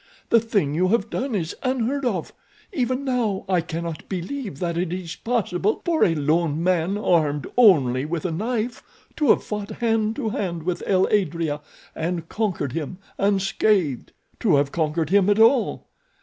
"The thing you have done is unheard of. Even now I cannot believe that it is possible for a lone man armed only with a knife to have fought hand to hand with el adrea and conquered him, unscathed—to have conquered him at all.